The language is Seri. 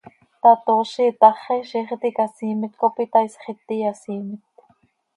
tatoozi itaxi, ziix iti icasiimet cop itaaisx, iti yasiimet.